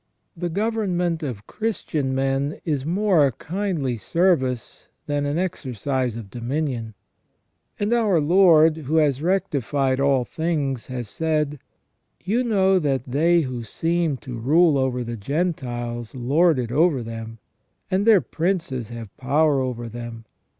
The government of Christian men is more a kindly service than an exercise of dominion. And our Lord, who has rectified all things, has said :" You know that they who seem to rule over the Gentiles lord it over them ; and their princes have power over them.